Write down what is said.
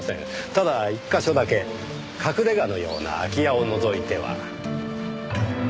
ただ１カ所だけ隠れ家のような空き家を除いては。